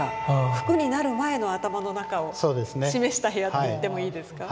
服になる前の頭の中を示した部屋って言ってもいいですか？